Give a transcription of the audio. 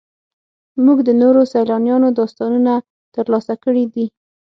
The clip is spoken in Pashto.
موږ د نورو سیلانیانو داستانونه ترلاسه کړي دي.